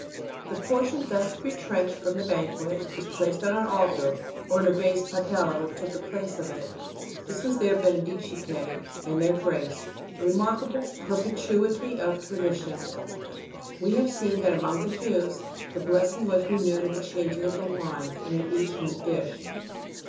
The portion thus retrenched from the banquet was placed on an altar, or a vase patella, which took the place of it. This was their Benedicite and their Grace. Remarkable perpetuity of tradition! We have seen that among the Jews, the blessing was renewed at the changing of the wine, and at each new dish.